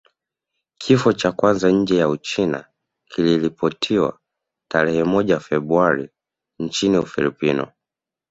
Kifo cha kwanza nje ya Uchina kiliripotiwa tarehe moja Februari nchini Ufilipino